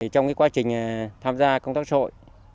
trong quá trình tham gia công tác trội